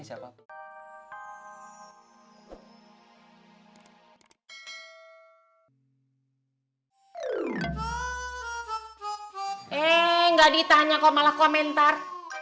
eh nggak ditanya kok malah komentar